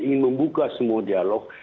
ingin membuka semua dialog